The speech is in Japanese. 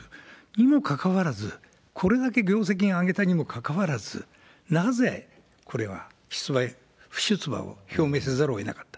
にもかかわらず、これだけ業績を上げたにもかかわらず、なぜこれは不出馬を表明せざるをえなかった。